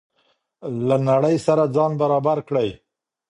له نړۍ سره ځان برابر کړئ.